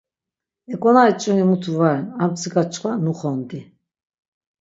Eǩonari ç̌vini mutu va ren, ar mtsika çkva nuxondi.